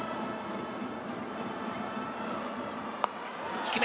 低め。